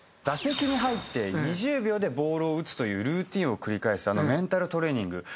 打席に入って２０秒でボールを打つというルーティンを繰り返すあのメンタルトレーニング。